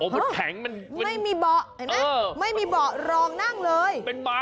ไม่มีเบาะรองนั่งเลย